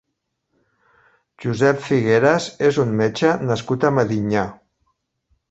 Josep Figueras és un metge nascut a Medinyà.